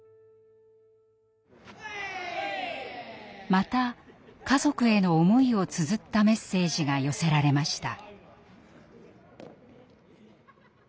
また家族への思いをつづったメッセージが寄せられました。